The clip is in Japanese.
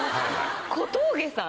小峠さん？